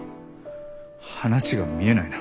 話が見えないな。